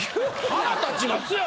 腹立ちますやん。